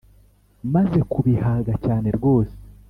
maze kubihaga cyane rwose